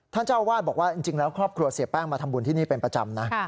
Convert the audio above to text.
เจ้าอาวาสบอกว่าจริงแล้วครอบครัวเสียแป้งมาทำบุญที่นี่เป็นประจำนะ